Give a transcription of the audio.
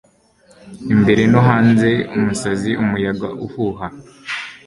imbere no hanze umusazi; umuyaga uhuha